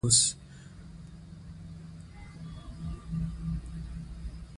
یاقوت د افغانستان د امنیت په اړه هم اغېز لري.